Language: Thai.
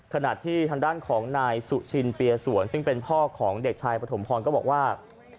ขณะที่ทางด้านของนายสุชินเปียสวนซึ่งเป็นพ่อของเด็กชายปฐมพรก็บอกว่า